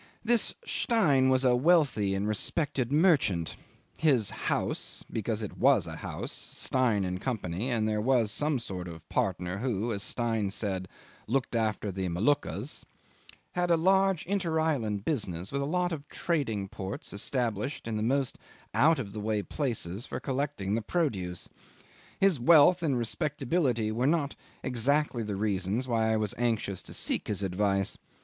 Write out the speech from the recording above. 'This Stein was a wealthy and respected merchant. His "house" (because it was a house, Stein & Co., and there was some sort of partner who, as Stein said, "looked after the Moluccas") had a large inter island business, with a lot of trading posts established in the most out of the way places for collecting the produce. His wealth and his respectability were not exactly the reasons why I was anxious to seek his advice.